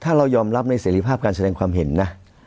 ถ้าเรายอมรับในเสรีภาพการแสดงความเห็นนะ